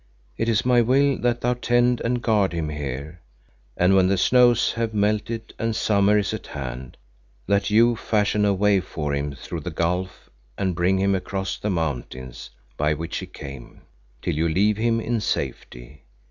It is my will that you tend and guard him here, and when the snows have melted and summer is at hand, that you fashion a way for him through the gulf and bring him across the mountains by which he came, till you leave him in safety.